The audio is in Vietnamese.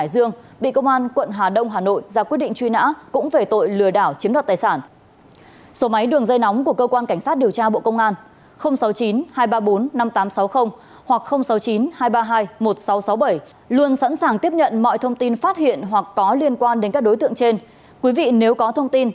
xin chào và hẹn gặp lại